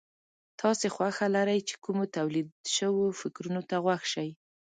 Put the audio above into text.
تاسې خوښه لرئ چې کومو توليد شوو فکرونو ته غوږ شئ.